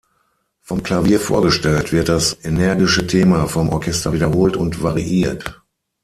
Vom Klavier vorgestellt, wird das energische Thema vom Orchester wiederholt und variiert.